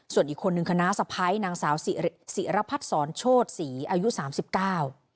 ส่วนอีกคนนึงคณะสะพ้ายนางสาวศิรพัฒน์สอนโชธศรีอายุสามสิบเก้า